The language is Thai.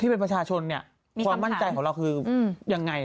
เป็นประชาชนเนี่ยความมั่นใจของเราคือยังไง